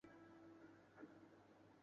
当时对他最重要的就是音乐。